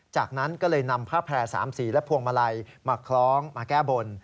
จากนั้นก็เลยนำผ้าแพร่๓สีและพวงมาลัยมาคล้องมาแก้บน